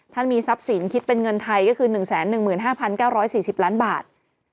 มีทรัพย์สินคิดเป็นเงินไทยก็คือ๑๑๕๙๔๐ล้านบาท